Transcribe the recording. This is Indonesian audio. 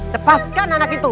lepaskan anak itu